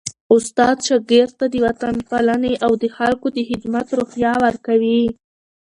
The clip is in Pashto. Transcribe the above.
استاد شاګرد ته د وطنپالني او د خلکو د خدمت روحیه ورکوي.